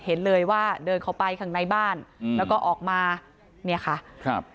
เห็นเลยว่าเดินเข้าไปข้างในบ้านอืมแล้วก็ออกมาเนี่ยค่ะครับ